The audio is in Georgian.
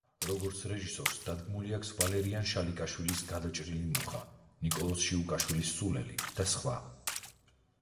როგორც რეჟისორს დადგმული აქვს ვალერიან შალიკაშვილის „გადაჭრილი მუხა“, ნიკოლოზ შიუკაშვილის „სულელი“ და სხვა.